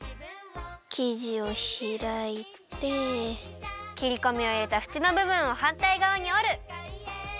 きじをひらいてきりこみをいれたふちのぶぶんをはんたいがわにおる！